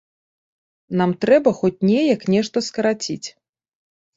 Нам трэба хоць неяк нешта скараціць.